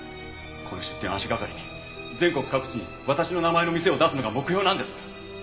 この出店を足がかりに全国各地に私の名前の店を出すのが目標なんです。